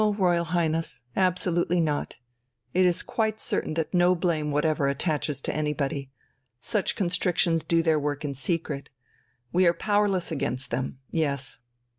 "No, Royal Highness. Absolutely not. It is quite certain that no blame whatever attaches to anybody. Such constrictions do their work in secret. We are powerless against them. Yes."